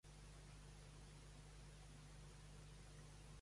Cal que signeu el formulari de tramesa genèrica amb certificat digital.